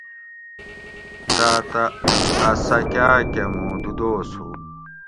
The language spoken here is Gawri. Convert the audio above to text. تاۤتہ اۤ سکاۤ کہ مُوں دُو دوس ہُو